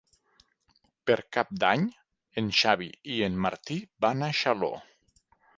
Per Cap d'Any en Xavi i en Martí van a Xaló.